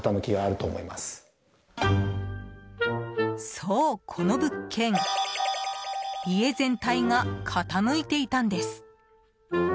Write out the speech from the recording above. そう、この物件家全体が傾いていたんです。